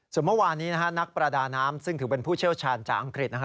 ส่วนเมื่อวานนี้นักประดาน้ำซึ่งถือเป็นผู้เชี่ยวชาญจากอังกฤษ